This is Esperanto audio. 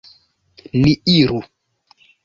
Ni iru!